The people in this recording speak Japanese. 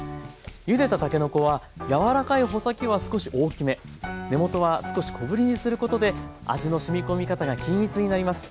ゆでたたけのこは柔らかい穂先は少し大きめ根元は少し小ぶりにすることで味のしみ込み方が均一になります。